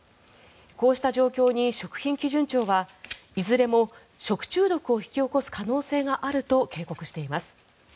こうした状況に食品基準庁はいずれも食中毒を引き起こす可能性があると警告しています。